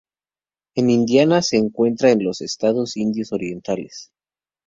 En India, se encuentra en los estados indios orientales.